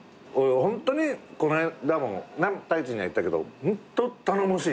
ホントにこの間も太一には言ったけどホント頼もしい。